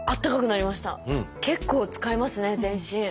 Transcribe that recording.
結構使いますね全身。